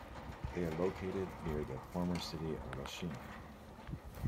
They are located near the former city of Lachine.